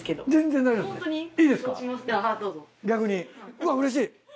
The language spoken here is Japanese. うわうれしい。